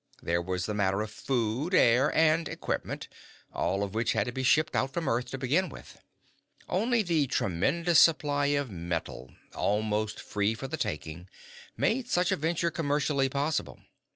There was the matter of food, air, and equipment, all of which had to be shipped out from Earth to begin with. Only the tremendous supply of metal almost free for the taking made such a venture commercially possible.